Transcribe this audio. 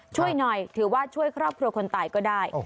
ช่วยหน่อยถือว่าช่วยครอบครัวคนตายก็ได้